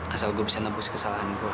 asal gue bisa nebus kesalahan gue